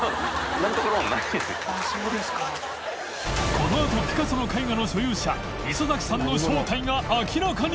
磴海里△ピカソの絵画の所有者さんの正体が明らかに